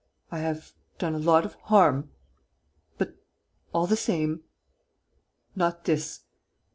I have done a lot of harm.... But, all the same, not this.